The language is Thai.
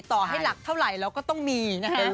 ต่อให้หลักเท่าไหร่เราก็ต้องมีนะฮะ